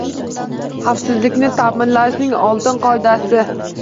Xavfsizlikni ta’minlashning oltin qoidasi